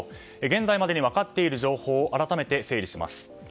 現在までに分かっている情報を改めて整理します。